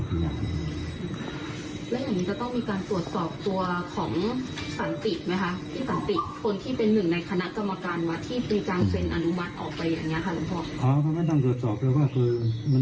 อ๋อถ้าไม่ทำเกราะสอบหรือว่าคือ